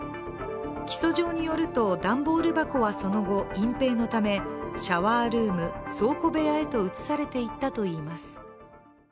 起訴状によると、段ボール箱はその後隠蔽のためシャワールーム、倉庫部屋へと移されていったといいます。